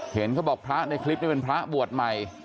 เห็นเขาบอกพระในคลิปนี้เป็นพระบวชใหม่